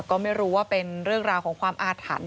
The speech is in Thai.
ก็ไม่รู้ว่าเป็นเรื่องราวของความอาถรรพ์